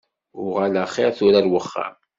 Uɣal axiṛ tura ar wexxam.